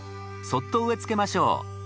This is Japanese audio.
そっと植えつけましょう。